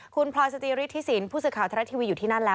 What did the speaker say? คุณพลอยสจิฤทธิสินผู้สื่อข่าวทรัฐทีวีอยู่ที่นั่นแล้ว